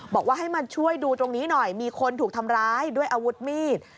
บอกว่าให้มาช่วยดูตรงนี้หน่อยมีคนถูกทำร้ายด้วยอาวุธมีด